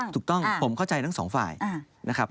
ถูกต้องผมเข้าใจทั้งสองฝ่ายนะครับ